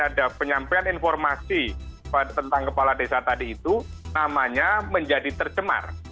ada penyampaian informasi tentang kepala desa tadi itu namanya menjadi tercemar